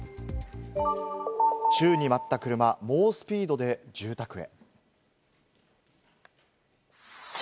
宙に舞った車、猛スピードで住宅へ。